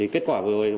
kết quả vừa rồi